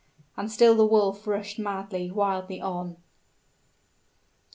And still the wolf rushed madly, wildly on.